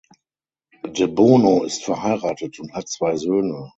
De Bono ist verheiratet und hat zwei Söhne.